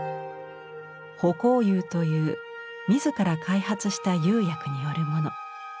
「葆光釉」という自ら開発した釉薬によるもの。